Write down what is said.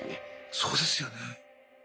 そうですよね。